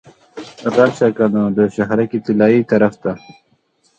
راشه کنه د شهرک طلایي طرف ته.